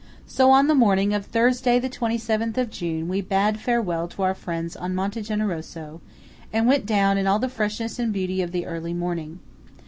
So on the morning of Thursday the 27th of June, we bade farewell to our friends on Monte Generoso, and went down in all the freshness and beauty of the early morning.